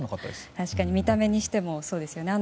確かに見た目にしてもそうですよね。